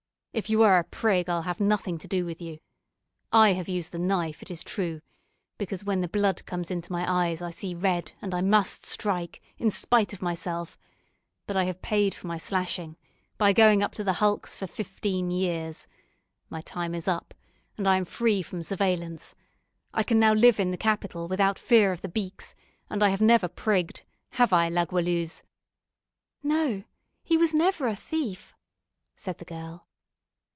If you are a 'prig' I'll have nothing to do with you. I have used the knife, it is true, because, when the blood comes into my eyes, I see red, and I must strike, in spite of myself; but I have paid for my slashing, by going to the hulks for fifteen years. My time is up, and I am free from surveillance. I can now live in the capital, without fear of the 'beaks;' and I have never prigged, have I, La Goualeuse?" "No, he was never a thief," said the girl.